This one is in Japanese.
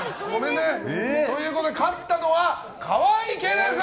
勝ったのは河合家です！